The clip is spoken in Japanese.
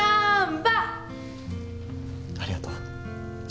ありがとう。